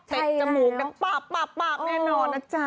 เต็กจมูกกันปากแน่นอนนะจ๊ะ